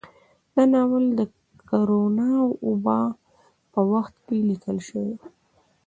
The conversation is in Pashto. دا ناول د کرونا وبا په وخت کې ليکل شوى